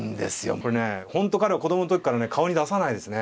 これね本当彼は子供の時からね顔に出さないですね